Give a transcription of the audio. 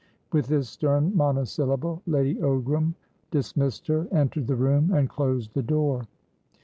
With this stern monosyllable, Lady Ogram dismissed her, entered the room, and closed the door.